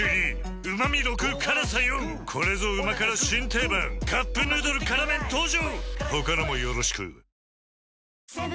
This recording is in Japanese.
４これぞ旨辛新定番「カップヌードル辛麺」登場！